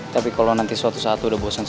tapi kalau lo nanti suatu saat udah bosan sama gue